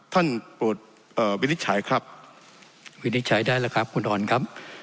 โปรดวินิจฉัยครับวินิจฉัยได้แล้วครับคุณออนครับ